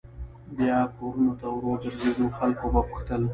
بیا به کورونو ته ور وګرځېدو خلکو به پوښتل.